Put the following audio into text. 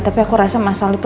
tapi aku rasa massal itu